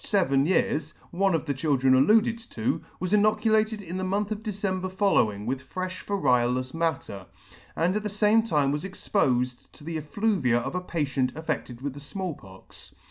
io6 ] years, one of the children alluded to, was inoculated in the month of December following with frefh variolous matter, and at the famejime was expofed to the effluvia of a patient affeffed with the Small Pox.